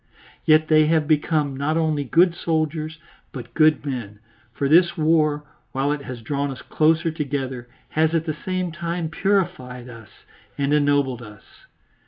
Yet they have become not only good soldiers, but good men, for this war, while it has drawn us closer together, has at the same time purified us and ennobled us.